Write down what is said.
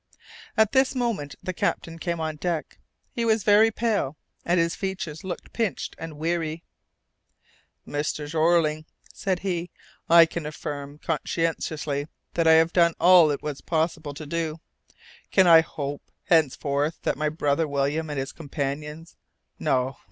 At this moment the captain came on deck; he was very pale, and his features looked pinched and weary. "Mr. Jeorling," said he, "I can affirm conscientiously that I have done all it was possible to do. Can I hope henceforth that my brother William and his companions No!